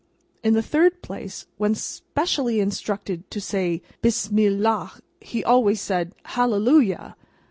In the third place, when specially instructed to say "Bismillah!" he always said "Hallelujah!"